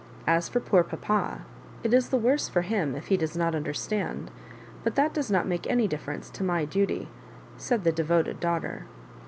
As for poor papa, it is the worse for him if he does not understand ; but that does not make any difference to my duty," said the de voted daughter.